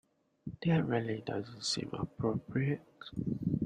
That really doesn't seem appropriate.